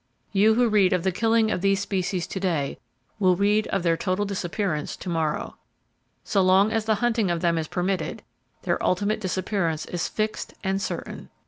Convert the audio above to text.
You who read of the killing of these species to day will read of their total disappearance to morrow. So long as the hunting of them is permitted, their ultimate disappearance is fixed and certain.